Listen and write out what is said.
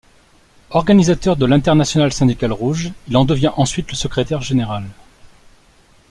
Organisateur de l'Internationale syndicale rouge, il en devient ensuite le Secrétaire général.